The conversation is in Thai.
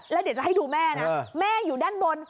แล้วเดี๋ยวจะให้ดูแม่นะแม่อยู่ด้านบน